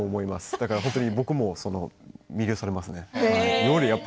だから僕も魅了されますね。